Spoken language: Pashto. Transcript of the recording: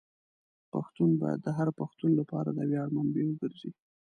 پښتو باید د هر پښتون لپاره د ویاړ منبع وګرځي.